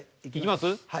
いきます？